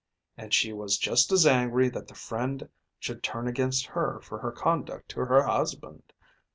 And she was just as angry that the friend should turn against her for her conduct to her husband.